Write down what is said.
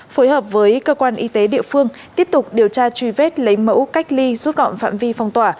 phối hợp với cơ quan y tế địa phương tiếp tục điều tra truy vết lấy mẫu cách ly rút gọn phạm vi phong tỏa